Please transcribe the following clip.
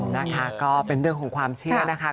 นะคะก็เป็นเรื่องของความเชื่อนะคะ